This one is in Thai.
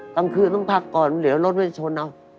กลางคืนต้องพักก่อนเดี๋ยวรถไม่ชนเอา